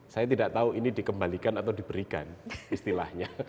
saya tidak tahu ini dikembalikan atau diberikan istilahnya